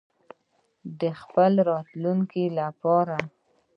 د خپل راتلونکي لپاره.